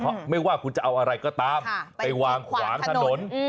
เพราะไม่ว่าคุณจะเอาอะไรก็ตามไปวางขวางถนน